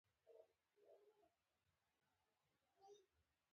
مینه د روح غذا ده.